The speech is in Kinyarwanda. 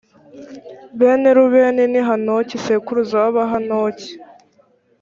bene rubeni ni hanoki sekuruza w’abahanoki.